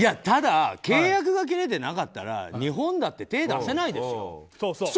ただ、契約が切れてなかったら日本だって手出せないですよ。